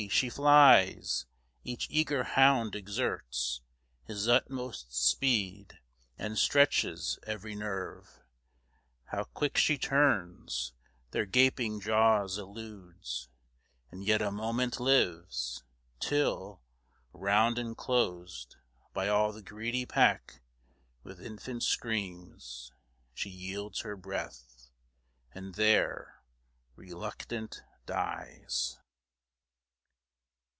She flies! Each eager hound exerts His utmost speed, and stretches every nerve; How quick she turns! Their gaping jaws eludes, And yet a moment lives till, round enclosed By all the greedy pack, with infant screams She yields her breath, and there, reluctant, dies.